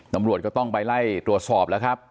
ตำรวจก็ต้องไปไล่ตรวจสอบแล้วครับ